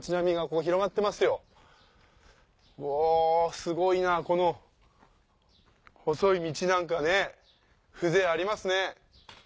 うおすごいなこの細い道なんかね風情ありますね。